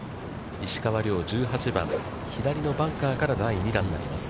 石川遼、１８番、左のバンカーからの第２打になります。